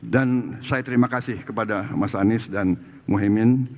dan saya terima kasih kepada mas anies dan muhaimin